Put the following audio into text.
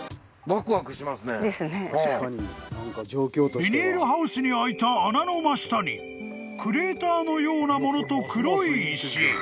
［ビニールハウスに開いた穴の真下にクレーターのようなものと黒い石］